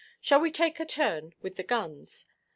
Shall we take a turn with the guns?